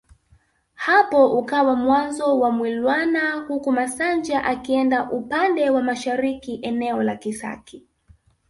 Hapo ukawa mwanzo wa Mwilwana huku Masanja akienda upande wa mashariki eneo la Kisaki